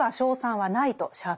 はい。